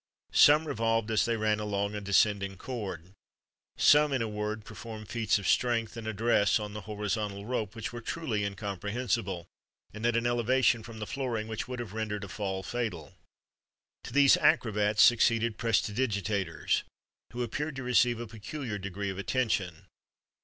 Some revolved as they ran along a descending cord. Some, in a word, performed feats of strength and address on the horizontal rope which were truly incomprehensible, and at an elevation from the flooring which would have rendered a fall fatal.[XXXV 86] To these acrobats succeeded prestigiators, who appeared to receive a peculiar degree of attention.